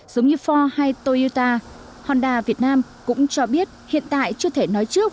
giống như for hay toyota honda việt nam cũng cho biết hiện tại chưa thể nói trước